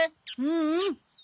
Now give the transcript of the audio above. ううん。